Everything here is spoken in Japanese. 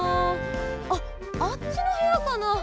あっあっちのへやかな？